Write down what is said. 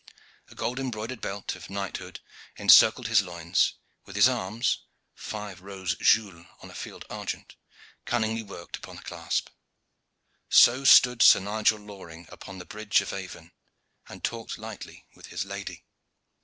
A gold embroidered belt of knighthood encircled his loins, with his arms, five roses gules on a field argent, cunningly worked upon the clasp. So stood Sir Nigel Loring upon the bridge of Avon, and talked lightly with his lady.